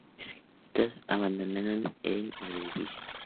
Estos abandonaron a Dzerzhinski en el edificio.